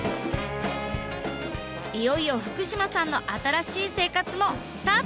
いよいよ福島さんの新しい生活もスタートです。